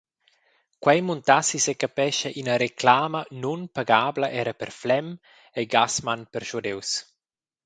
Quei muntassi secapescha ina reclama nunpagabla era per Flem, ei Gassmann perschuadius.